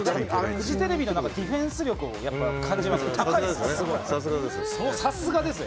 フジテレビのディフェンス力を感じますね。